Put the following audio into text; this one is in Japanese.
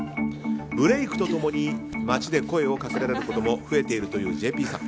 ブレークと共に街で声をかけられることも増えているというＪＰさん。